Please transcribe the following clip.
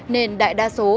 nên đại đa số